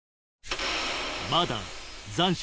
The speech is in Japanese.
まだ残暑